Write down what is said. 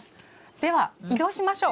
では移動しましょう。